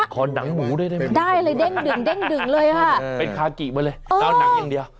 หนังหมูด้วยได้ไหมได้เลยเด้งดึงเด้งดึงเลยค่ะเป็นคากิมาเลยเอาหนังอย่างเดียว